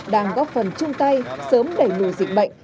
đang góp phần chung tay sớm đẩy lùi dịch bệnh